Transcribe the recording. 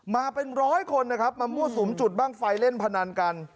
มาเป็นร้อยคนนะครับมามั่วสุมจุดบ้างไฟเล่นพนันกัน